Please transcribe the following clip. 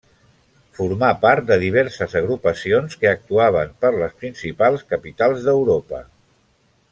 Formà part de diverses agrupacions que actuaven per les principals capitals d’Europa.